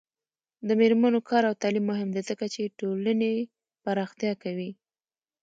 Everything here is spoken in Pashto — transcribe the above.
د میرمنو کار او تعلیم مهم دی ځکه چې ټولنې پراختیا کوي.